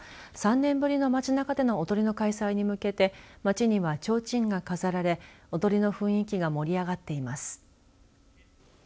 ３年ぶりの街なかでの踊りの開催に向けて街には、ちょうちんが飾られ踊りの雰囲気が盛り上がっています。